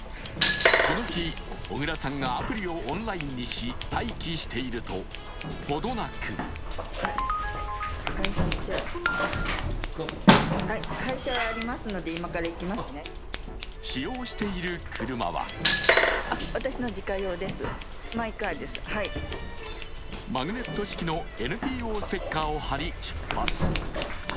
この日、小倉さんがアプリをオンラインにし待機していると程なく使用している車はマグネット式のＮＰＯステッカーを貼り出発。